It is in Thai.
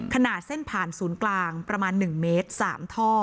ขนาดเส้นผ่านศูนย์กลางประมาณ๑เมตร๓ท่อ